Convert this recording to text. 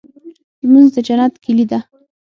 لمونځ د جنت کيلي ده.